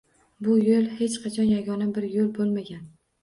Bu yoʻl hech qachon yagona bir yoʻl boʻlmagan.